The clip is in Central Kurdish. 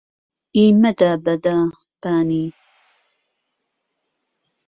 ئی مدە بەدە بانی